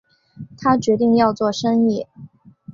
他决定要做生意